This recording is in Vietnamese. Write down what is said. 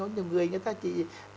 nhiều người người ta chỉ